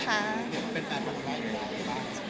เป็นแฟนมักคณะด้วยค่ะที่บ้าน